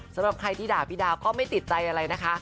สำหรับใครที่ด่าพี่ดาวก็ไม่ติดใจอะไรนะคะ